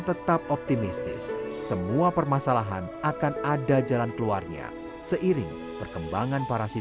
tetap optimistis semua permasalahan akan ada jalan keluarnya seiring perkembangan para siswa